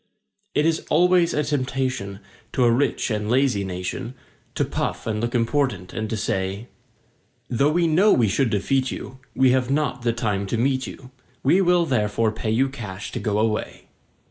It is always a temptation to a rich and lazy nation, To puff and look important and to say: "Though we know we should defeat you, we have not the time to meet you. We will therefore pay you cash to go away."